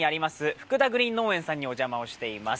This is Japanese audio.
福田グリーン農園さんにお邪魔をしています。